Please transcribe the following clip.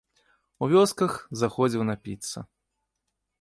У вёсках заходзіў напіцца.